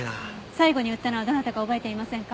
最後に売ったのはどなたか覚えていませんか？